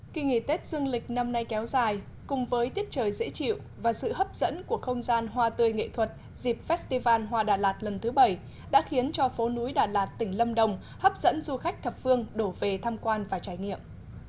kỳ nghỉ tết dương lịch năm nay kéo dài cùng với tiết trời dễ chịu và sự hấp dẫn của không gian hoa tươi nghệ thuật dịp festival hoa đà lạt lần thứ bảy đã khiến cho phố núi đà lạt tỉnh lâm đồng hấp dẫn du khách thập phương đổ về tham quan và trải nghiệm